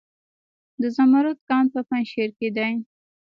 د زمرد کان په پنجشیر کې دی